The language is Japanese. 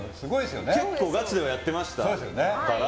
結構ガチでやってましたから。